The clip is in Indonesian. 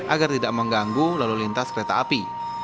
agar tidak mengganggu lalu lintas kereta api